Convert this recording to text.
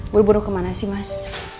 buru buru kemana sih mas